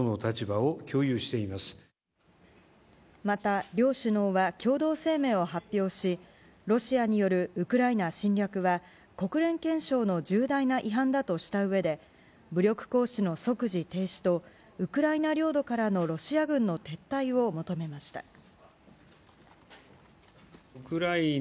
また、両首脳は共同声明を発表しロシアによるウクライナ侵略は国連憲章の重大な違反だとしたうえで武力行使の即時停止とウクライナ領土からのロシア軍の撤退を求めました。